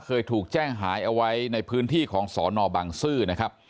เคยถูกแจ้งหายเอาไว้ในพื้นที่ของสอนอบังซื้อนะครับ